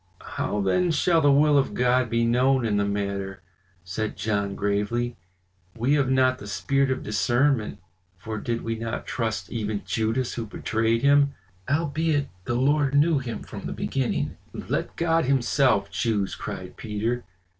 "How then shall the will of God be known in the matter?" said John gravely. "We have not the spirit of discernment, for did we not trust even Judas who betrayed him? Albeit the Lord knew him from the beginning." "Let God himself choose!" cried Peter.